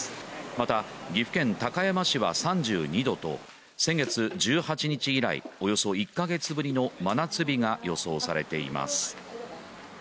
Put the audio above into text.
また岐阜県高山市は３２℃と、先月１８日以来、およそ１ヶ月ぶりの真夏日が予想されています。